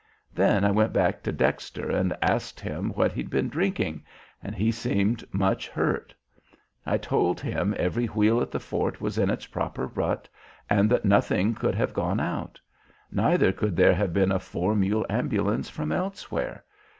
Then I went back to Dexter and asked him what he'd been drinking, and he seemed much hurt. I told him every wheel at the fort was in its proper rut and that nothing could have gone out. Neither could there have been a four mule ambulance from elsewhere.